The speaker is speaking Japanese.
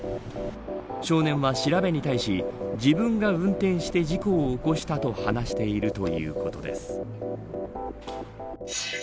少年は調べに対し自分が運転して事故を起こしたと話しているということです。